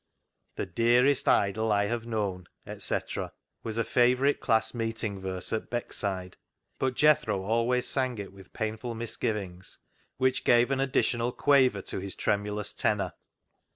"The dearest idol I have known," etc., was a favourite class meeting verse at Beck side, but Jethro always sang it with painful misgivings, which gave an additional quaver to his tremulous tenor.